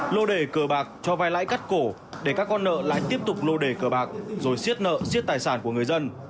lô đề cờ bạc cho vai lãi cắt cổ để các con nợ lại tiếp tục lô đề cờ bạc rồi xiết nợ xiết tài sản của người dân